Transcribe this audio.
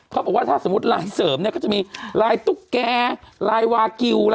เขาบอกว่าถ้าสมมุติลายเสริมเนี่ยก็จะมีลายตุ๊กแกลายวากิล